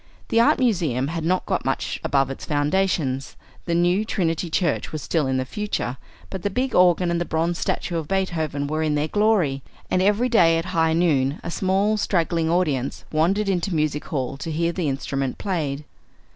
The Art Museum had not got much above its foundations; the new Trinity Church was still in the future; but the big organ and the bronze statue of Beethoven were in their glory, and every day at high noon a small straggling audience wandered into Music Hall to hear the instrument played.